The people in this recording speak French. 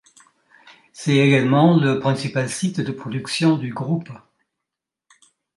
C'est également le principal site de production du groupe.